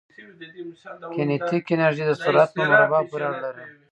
کینیتیک انرژي د سرعت په مربع پورې اړه لري.